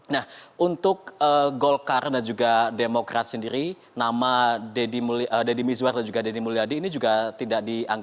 nah untuk golkar dan juga demokrat sendiri nama deddy mizwar dan juga deddy mulyadi